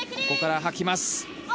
ここから掃きます